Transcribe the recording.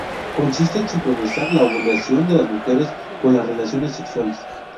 Consiste en sincronizar la ovulación de la mujer con las relaciones sexuales.